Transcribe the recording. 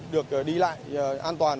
được đi lại an toàn